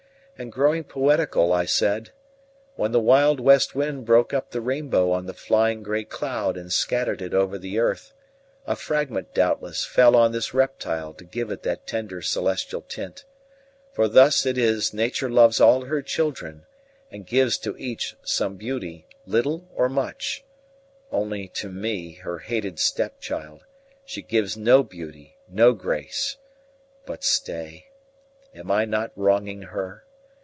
And growing poetical, I said: "When the wild west wind broke up the rainbow on the flying grey cloud and scattered it over the earth, a fragment doubtless fell on this reptile to give it that tender celestial tint. For thus it is Nature loves all her children, and gives to each some beauty, little or much; only to me, her hated stepchild, she gives no beauty, no grace. But stay, am I not wronging her?